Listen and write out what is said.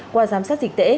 qua giám sát dịch tễ